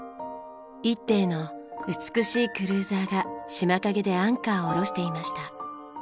一艇の美しいクルーザーが島陰でアンカーを下ろしていました。